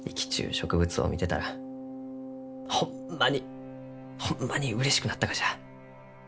植物を見てたらホンマにホンマにうれしくなったがじゃ。